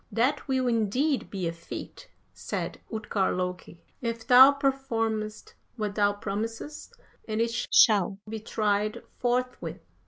"'That will indeed be a feat,' said Utgard Loki, 'if thou performest what thou promisest, and it shall be tried forthwith.'